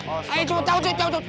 ayo cabut cabut cabut